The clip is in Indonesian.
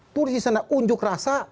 turis di sana unjuk rasa